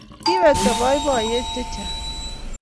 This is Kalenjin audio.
Kiwekta boiboiyet chechang